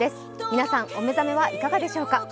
皆さんお目覚めはいかがでしょうか。